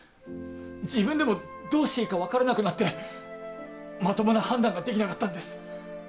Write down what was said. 自分でもどうしていいかわからなくなってまともな判断ができなかったんです。